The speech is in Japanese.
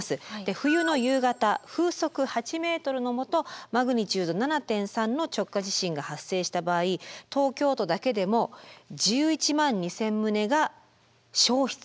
冬の夕方風速８ｍのもとマグニチュード７．３の直下地震が発生した場合東京都だけでも１１万２，０００棟が焼失すると想定されています。